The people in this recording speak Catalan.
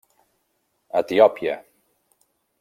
Etiòpia.